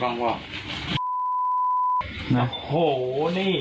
อีกในที